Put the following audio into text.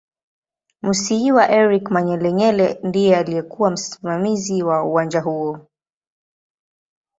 Musiiwa Eric Manyelenyele ndiye aliyekuw msimamizi wa uwanja huo